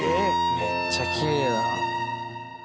めっちゃきれいだな。